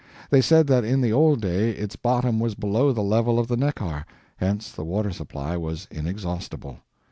They said that in the old day its bottom was below the level of the Neckar, hence the water supply was inexhaustible.